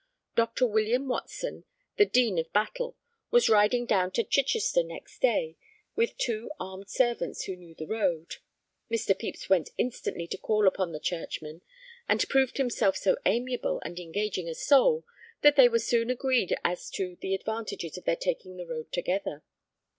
Dr. William Watson, the Dean of Battle, was riding down to Chichester next day with two armed servants who knew the road. Mr. Pepys went instantly to call upon the churchman, and proved himself so amiable and engaging a soul that they were soon agreed as to the advantages of their taking the road together.